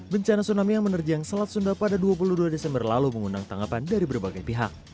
bencana tsunami yang menerjang selat sunda pada dua puluh dua desember lalu mengundang tanggapan dari berbagai pihak